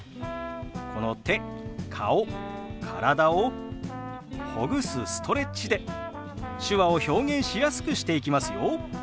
この手顔体をほぐすストレッチで手話を表現しやすくしていきますよ。